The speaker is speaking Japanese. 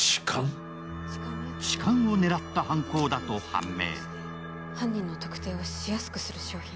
痴漢を狙った犯行だと判明。